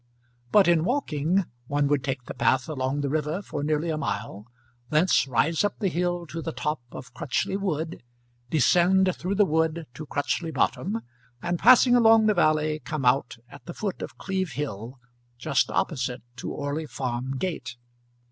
But in walking one would take the path along the river for nearly a mile, thence rise up the hill to the top of Crutchley Wood, descend through the wood to Crutchley Bottom, and, passing along the valley, come out at the foot of Cleeve Hill, just opposite to Orley Farm Gate.